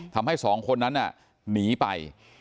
ทำให้สองคนนั้นหนีไป